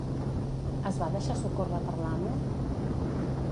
Es va deixar socórrer per l'amo?